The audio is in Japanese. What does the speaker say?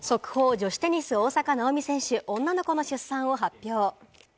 女子テニス・大坂なおみ選手、女の子の出産を発表。